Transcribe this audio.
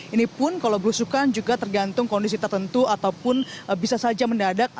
ini pun kalau berusukan juga tergantung kondisi tertentu ataupun bisa saja mendadak